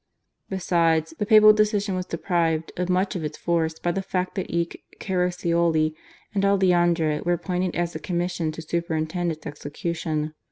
Besides, the papal decision was deprived of much of its force by the fact that Eck, Caraccioli, and Aleandro were appointed as a commission to superintend its execution.